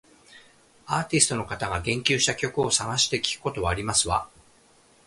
アーティストの方が言及した曲を探して聞くことはありますわ